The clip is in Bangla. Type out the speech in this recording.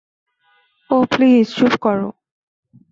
ওহ, প্লিজ, চুপ কর।